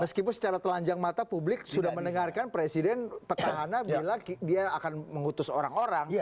meskipun secara telanjang mata publik sudah mendengarkan presiden petahana bilang dia akan mengutus orang orang